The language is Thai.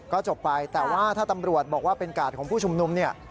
ก็จบไปแต่ว่าถ้าตำรวจบอกว่าเป็นกาดของผู้ชุมนุมเนี่ย